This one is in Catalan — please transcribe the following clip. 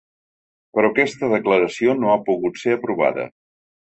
Però aquesta declaració no ha pogut ser aprovada.